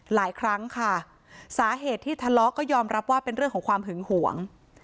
หลายครั้งค่ะสาเหตุที่ทะเลาะก็ยอมรับว่าเป็นเรื่องของความหึงหวง